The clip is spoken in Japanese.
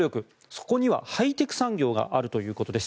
そこにはハイテク産業があるということです。